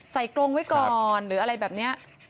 กรงไว้ก่อนหรืออะไรแบบนี้